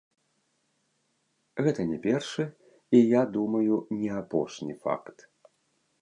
Гэта не першы і, я думаю, не апошні факт.